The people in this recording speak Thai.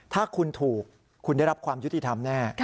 ถ้าคุณถูกคุณได้รับความยุติธรรมแน่